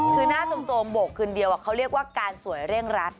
คือหน้าสมโบกคืนเดียวเขาเรียกว่าการสวยเร่งรัด